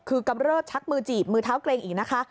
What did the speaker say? คือกำเริบชักมือจีบมือเท้าเกรงอีกนะคะ